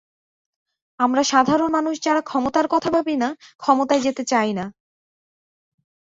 আমরা সাধারণ মানুষ যারা ক্ষমতার কথা ভাবি না, ক্ষমতায় যেতে চাই না।